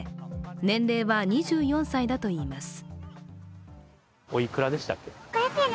年齢は２４歳だといいます。